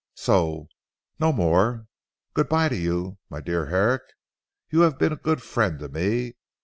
So no more. Good bye to you, my dear Herrick. You have been a good friend to me.